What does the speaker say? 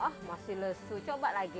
oh masih lesu coba lagi